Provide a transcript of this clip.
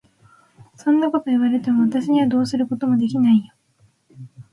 そんなことを言われても、私にはどうすることもできないよ。